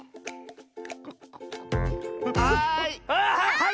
はい！